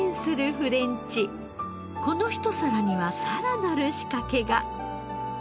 この一皿にはさらなる仕掛けが。